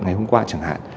ngày hôm qua chẳng hạn